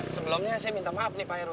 sebelumnya saya minta maaf nih pak heru